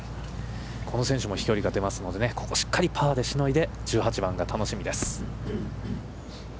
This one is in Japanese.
この選手も飛距離が出ますので、ここしっかりパーでしのいで、１８番が楽しみです。